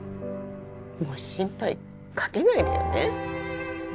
もう心配かけないでよね。